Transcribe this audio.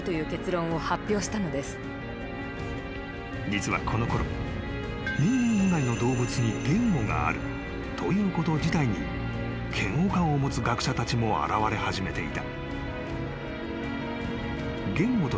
［実はこのころ人間以外の動物に言語があるということ自体に嫌悪感を持つ学者たちも現れ始めていた］